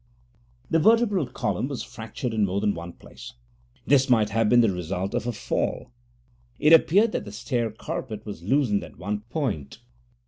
The vertebral column was fractured in more than one place. This might have been the result of a fall: it appeared that the stair carpet was loosened at one point.